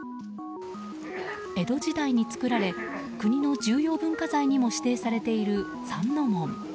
江戸時代に作られ、国の重要文化財にも指定されている三之門。